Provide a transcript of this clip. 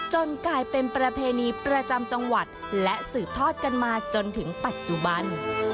กลายเป็นประเพณีประจำจังหวัดและสืบทอดกันมาจนถึงปัจจุบัน